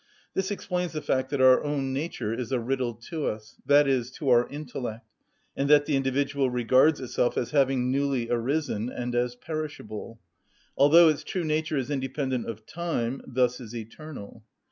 This explains the fact that our own nature is a riddle to us, i.e., to our intellect, and that the individual regards itself as having newly arisen and as perishable; although its true nature is independent of time, thus is eternal.